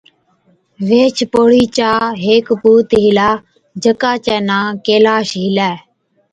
ويهچ پوڙهِي چا هيڪ پُوت هِلا، جڪا چَي نان ڪيلاش هِلَي۔